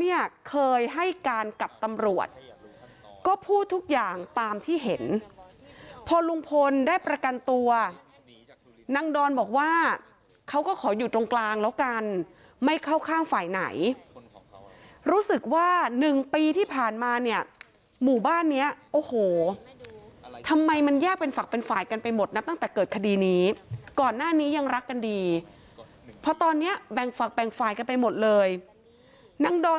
เนี่ยเคยให้การกับตำรวจก็พูดทุกอย่างตามที่เห็นพอลุงพลได้ประกันตัวนางดอนบอกว่าเขาก็ขออยู่ตรงกลางแล้วกันไม่เข้าข้างฝ่ายไหนรู้สึกว่าหนึ่งปีที่ผ่านมาเนี่ยหมู่บ้านเนี้ยโอ้โหทำไมมันแยกเป็นฝักเป็นฝ่ายกันไปหมดนะตั้งแต่เกิดคดีนี้ก่อนหน้านี้ยังรักกันดีเพราะตอนนี้แบ่งฝักแบ่งฝ่ายกันไปหมดเลยนางดอน